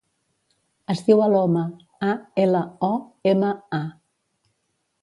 Es diu Aloma: a, ela, o, ema, a.